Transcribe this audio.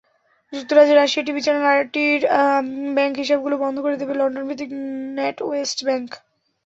যুক্তরাজ্যে রাশিয়ার TV channel আরটির ব্যাংক হিসাবগুলো বন্ধ করে দেবে লন্ডনভিত্তিক ন্যাটওয়েস্ট ব্যাংক।